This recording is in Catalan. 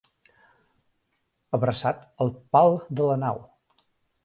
Abraçat al pal de la nau.